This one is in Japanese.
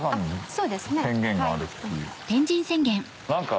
そうですか。